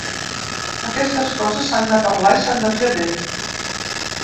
Aquestes coses s’han de parlar i s’han de fer bé.